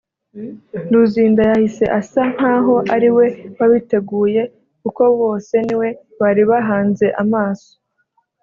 Luzinda yahise asa nk’aho ari we wabiteguye kuko bose ni we bari bahanze amaso